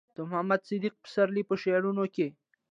د محمد صديق پسرلي په شعرونو کې